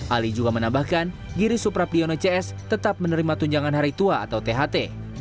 ali juga menambahkan giri suprabdiono cs tetap menerima tunjangan hari tua atau tht